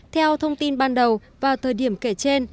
theo thông tin ban đầu vào thời điểm kể trên